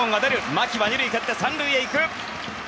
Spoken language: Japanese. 牧は２塁を蹴って２塁へ行く！